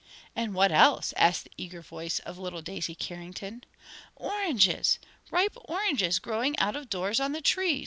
"And what else?" asked the eager voice of little Daisy Carrington. "Oranges! ripe oranges growing out of doors on the trees!"